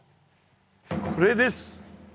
これです。